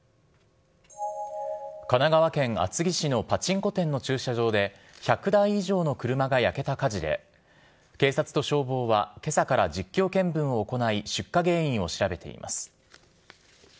神奈川県厚木市のパチンコ店の駐車場で、１００台以上の車が焼けた火事で、警察と消防は、けさから実況見分を行い、出火原因を調べています。